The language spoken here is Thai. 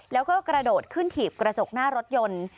แล้วก็กระโดดขึ้นถีบกระจกหน้ารถยนต์